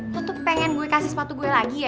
lo tuh pengen gue kasih sepatu gue lagi ya